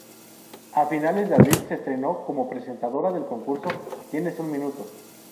A finales de abril se estrenó como presentadora del concurso "¿Tienes un minuto?